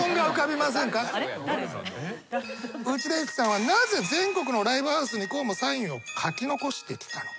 内田有紀さんはなぜ全国のライブハウスにこうもサインを書き残してきたのか？